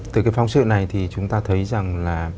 từ phóng sự này chúng ta thấy rằng